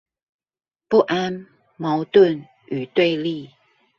不安、矛盾、與對立